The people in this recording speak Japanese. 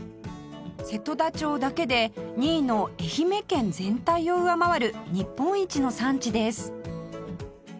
瀬戸田町だけで２位の愛媛県全体を上回る日本一の産地です